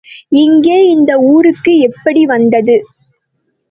இங்கே, இந்த ஊருக்கு எப்படி வந்தது?